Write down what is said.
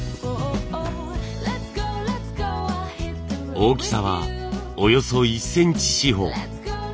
大きさはおよそ１センチ四方。